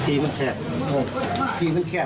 ทีมันแข็บทีมันแข็บ